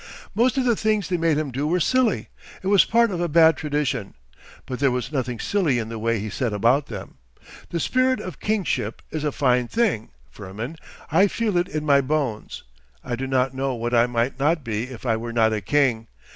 Most of the things they made him do were silly—it was part of a bad tradition, but there was nothing silly in the way he set about them.... The spirit of kingship is a fine thing, Firmin; I feel it in my bones; I do not know what I might not be if I were not a king.